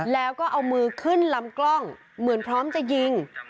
แล้วก็เอามือขึ้นลำกล้องเหมือนพร้อมจะยิง